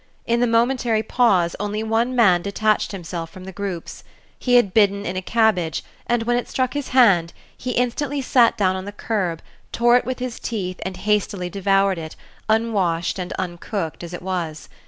In the momentary pause only one man detached himself from the groups. He had bidden in a cabbage, and when it struck his hand, he instantly sat down on the curb, tore it with his teeth, and hastily devoured it, unwashed and uncooked as it was.